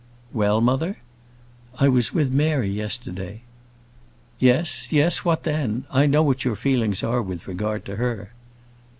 "Well, mother?" "I was with Mary, yesterday." "Yes, yes; what then? I know what your feelings are with regard to her."